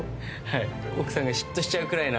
奥さんが嫉妬しちゃうくらいな。